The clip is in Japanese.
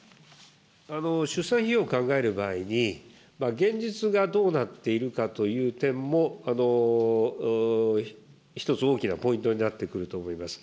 出産費用を考える場合に、現実がどうなっているかという点も、一つ大きなポイントになってくると思います。